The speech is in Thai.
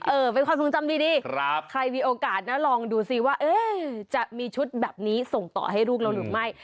เออเป็นความทรงจำดีใครมีโอกาสนะลองดูสิว่าจะมีชุดแบบนี้ส่งต่อให้ลูกเราหรือไม่